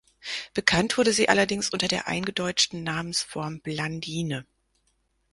Bekannt wurde sie allerdings unter der eingedeutschten Namensform "Blandine".